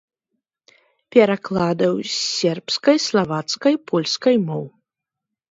Перакладаў з сербскай, славацкай, польскай моў.